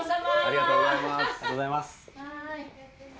ありがとうございます。